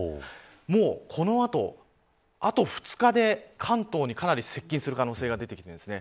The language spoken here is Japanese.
もう、このあと２日で関東に接近する可能性が出てきてます。